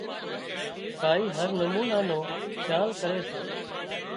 ڀائي هر نُمونا نو کيال ڪري سي